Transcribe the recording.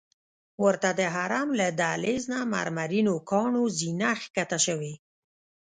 ورته د حرم له دهلیز نه مرمرینو کاڼو زینه ښکته شوې.